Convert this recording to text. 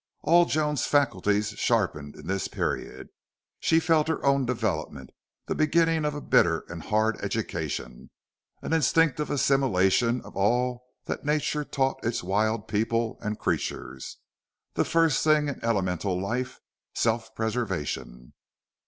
All Joan's faculties sharpened in this period. She felt her own development the beginning of a bitter and hard education an instinctive assimilation of all that nature taught its wild people and creatures, the first thing in elemental life self preservation.